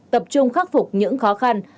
tập trung khắc phục những khó khăn